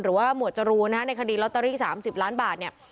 หรือว่าหมวดจรูนนะฮะในคดีลอตเตอรี่สามสิบล้านบาทเนี่ย